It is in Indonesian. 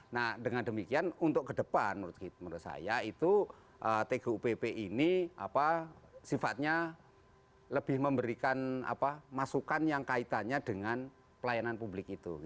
nah dengan demikian untuk ke depan menurut saya itu tgupp ini sifatnya lebih memberikan masukan yang kaitannya dengan pelayanan publik itu